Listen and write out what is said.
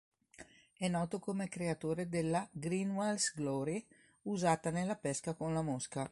È noto come creatore della "Greenwell's Glory", usata nella pesca con la mosca.